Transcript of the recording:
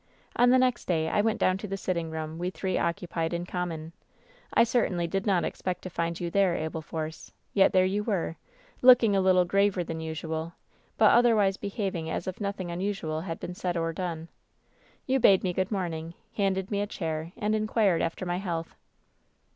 "On the next day I went down to the sitting room we three occupied in common. I certainly did not ex pect to find you there, Abel Force ; yet there you were, looking a little graver than usual, but otherwise behav ing as if nothing unusual had been said or done. You bade me good morning, handed me a chair, and inquiml after my health.